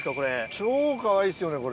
超かわいいですよねこれ。